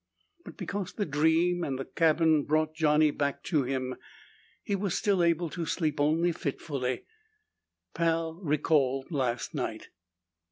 But because the dream and the cabin brought Johnny back to him, he was still able to sleep only fitfully. Pal recalled last night.